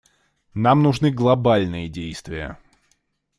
Нам нужны глобальные действия.